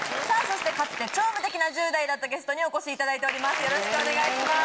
そしてかつて超無敵な１０代だったゲストにお越しいただいております